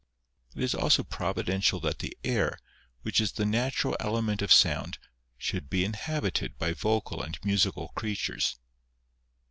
It is also provi dential that the air, which is the natural element of sound, should be inhabited by vocal and musical creatures.